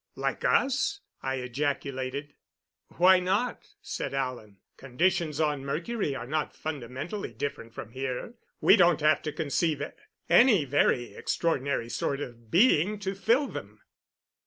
"Like us?" I ejaculated. "Why not?" said Alan. "Conditions on Mercury are not fundamentally different from here. We don't have to conceive any very extraordinary sort of being to fill them."